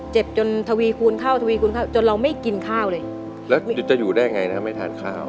เจ็บจนทวีคูณข้าวทวีคูณข้าวจนเราไม่กินข้าวเลยแล้วจะอยู่ได้ไงนะไม่ทานข้าว